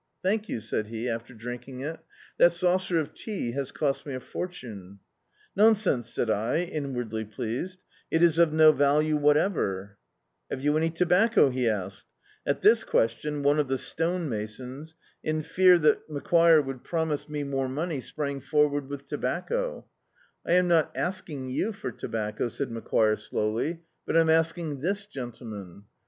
"Thank you," s£ud he, after drinking it — "that saucer of tea has cost me a sovereign !" "Nonsense," said 1, inwardly pleased, "it is of no value whatever." "Have you any to bacco?" he asked. At this question one of the stcucmasons, in fear that Macquire would promise [307) D,i.,.db, Google The Autobiography of a Super Tramp me more money, sprang forward with tobacco. "I am not asking you for tobacco," said Macquire slowly — "but am asking this gentleman."